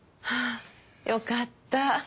あぁよかった。